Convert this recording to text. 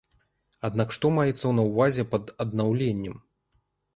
Аднак што маецца на ўвазе пад аднаўленнем?